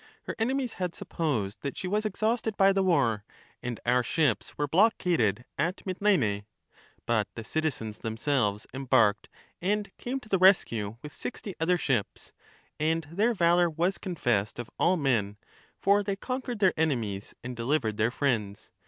Her enemies had supposed that she was exhausted by the war, and our ships were blockaded at Mitylene. But the citizens themselves embarked, and came to the rescue with sixty other ships, and their valour was confessed of all men, for they conquered their enemies and delivered their friends.